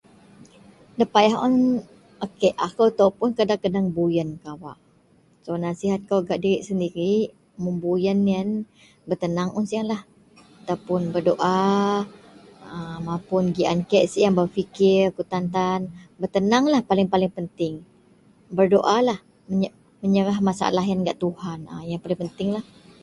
Dapayah un a kiek akou ito puon kadeng-kadeng buyen kawak nasihat kou gak dirik sendirik mun buyen iyen betenang un siew lah atau puon bedoa mapuon gian kek sieng berfikir kutan tan betenang lah paling-paling penting bedoalah menyerah masalah iyen gak Tuhan iyen paling penting.